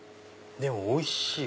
でもおいしい！